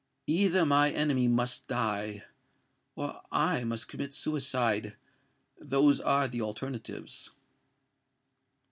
Either my enemy must die—or I must commit suicide! Those are the alternatives."